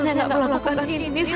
saya akan menangkan dia